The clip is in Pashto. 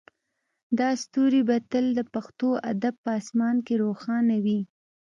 دا ستوری به تل د پښتو ادب په اسمان کې روښانه وي